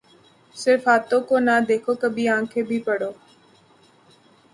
صرف ہاتھوں کو نہ دیکھو کبھی آنکھیں بھی پڑھو